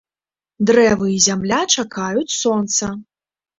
Дрэвы і зямля чакаюць сонца.